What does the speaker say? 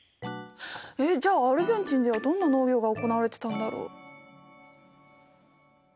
えっじゃあアルゼンチンではどんな農業が行われてたんだろう？